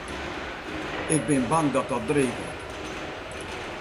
Ik bin bang dat dat dreech wurdt.